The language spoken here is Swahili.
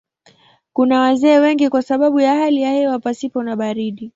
Kuna wazee wengi kwa sababu ya hali ya hewa pasipo na baridi.